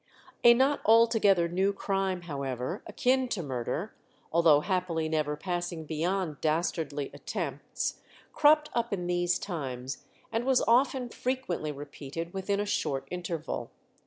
A not altogether new crime, however, akin to murder, although happily never passing beyond dastardly attempts, cropped up in these times, and was often frequently repeated within a short interval.